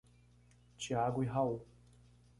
Tiago e Raul.